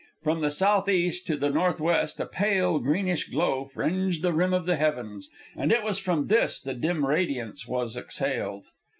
From the south east to the northwest a pale greenish glow fringed the rim of the heavens, and it was from this the dim radiance was exhaled.